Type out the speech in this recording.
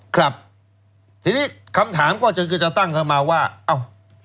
ครับทีนี้คำถามก็จะตั้งเข้ามาว่าอ้าวแล้วมันเรื่องอะไร